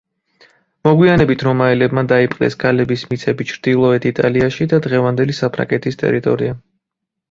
მოგვიანებით რომაელებმა დაიპყრეს გალების მიწები ჩრდილოეთ იტალიაში და დღევანდელი საფრანგეთის ტერიტორია.